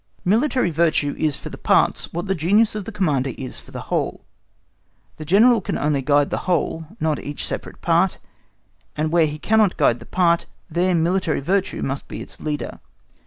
Military virtue is for the parts, what the genius of the Commander is for the whole. The General can only guide the whole, not each separate part, and where he cannot guide the part, there military virtue must be its leader.